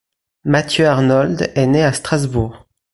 Matthieu Arnold est né à Strasbourg.